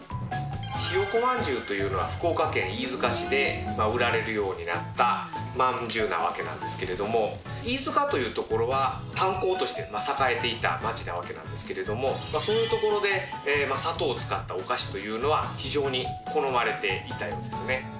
ひよ子まんじゅうというのは、福岡県飯塚市で売られるようになったまんじゅうなわけなんですけれども、飯塚という所は、炭鉱として栄えていた町なんですけれども、そういう所で砂糖を使ったお菓子というのは、非常に好まれていたようですね。